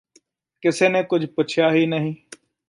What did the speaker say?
ਕਿਸੇ ਨੇ ਕੁਝ ਪੁਛਿਆ ਹੀ ਨਹੀਂ